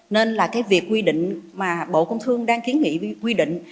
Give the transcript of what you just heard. nên là cái việc quy định mà bộ công thương đang kiến nghị quy định